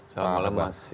selamat malam mas